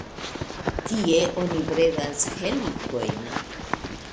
Tie oni bredas helikojn.